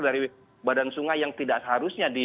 dari badan sungai yang tidak seharusnya